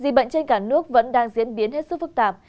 dịch bệnh trên cả nước vẫn đang diễn biến hết sức phức tạp